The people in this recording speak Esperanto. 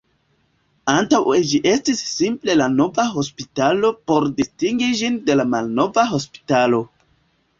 Antaŭe ĝi estis simple la Nova hospitalo por distingi ĝin de la Malnova hospitalo.